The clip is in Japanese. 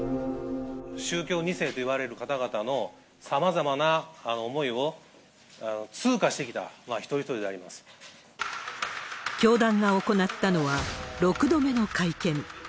宗教２世といわれる方々のさまざまな思いを通過してきた一人教団が行ったのは、６度目の会見。